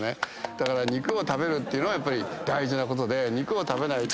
だから肉を食べるっていうのはやっぱり大事なことで肉を食べないと。